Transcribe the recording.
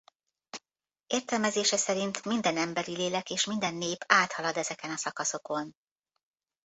Értelmezése szerint minden emberi lélek és minden nép áthalad ezeken a szakaszokon.